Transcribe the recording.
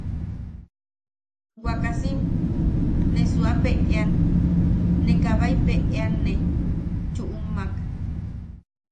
Wakasim ne suuapeʼean, ne kabaipeʼeanne chuʼummak.